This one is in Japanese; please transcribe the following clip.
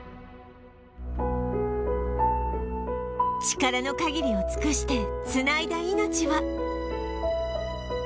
力の限りを尽くして繋いだ命は